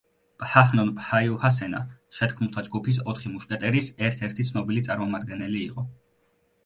პჰაჰონ პჰაიუჰასენა შეთქმულთა ჯგუფის „ოთხი მუშკეტერის“ ერთ-ერთი ცნობილი წარმომადგენელი იყო.